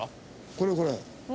これこれ。